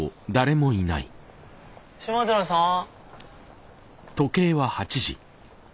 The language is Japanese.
島寺さん？